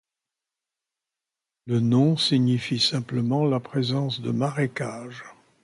Le nom signifie simplement la présence de marécages.